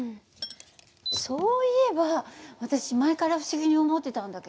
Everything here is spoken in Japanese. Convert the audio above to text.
そういえば私前から不思議に思ってたんだけど。